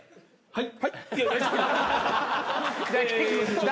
はい？